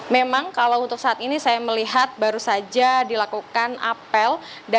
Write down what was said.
memang kalau untuk saat ini saya melihat baru saja dilakukan apel